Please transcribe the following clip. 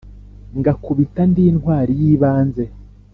Ngakubita ndi intwali y’ibanze.